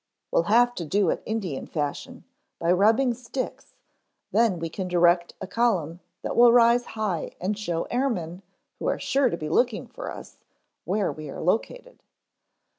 ] "We'll have to do it Indian fashion; by rubbing sticks, then we can direct a column that will rise high and show airmen, who are sure to be looking for us, where we are located."